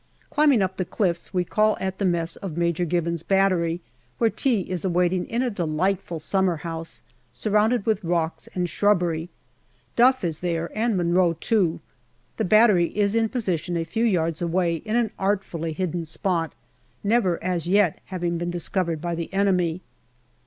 Climbing up the cliffs, we call at the mess of Major Gibbon's battery, where tea is awaiting in a delightful summer house surrounded with rocks and shrubbery. Duff is there, and Monro too. The battery is in position a few yards away in an artfully hidden spot, never as yet having been discovered by the enemy.